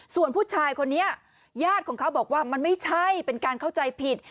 ส่วนผู้ชายคนนี้ญาติของเขาบอกว่ามันไม่ใช่เป็นการเข้าใจผิด